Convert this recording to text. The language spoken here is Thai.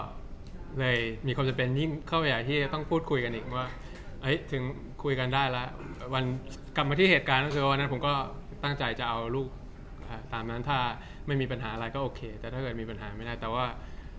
ก็เลยมีความจำเป็นยิ่งเข้าไปใหญ่ที่จะต้องพูดคุยกันอีกว่าถึงคุยกันได้แล้ววันกลับมาที่เหตุการณ์ก็คือวันนั้นผมก็ตั้งใจจะเอาลูกตามนั้นถ้าไม่มีปัญหาอะไรก็โอเคแต่ถ้าเกิดมีปัญหาไม่ได้แต่ว่า